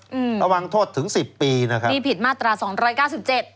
อืมระวังโทษถึงสิบปีนะครับนี่ผิดมาตราสองร้อยเก้าสิบเจ็ด